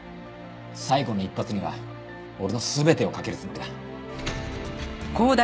最後の一発には俺の全てを懸けるつもりだ。